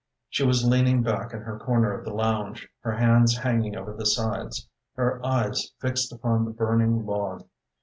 She was leaning back in her corner of the lounge, her hands hanging over the sides, her eyes fixed upon the burning log.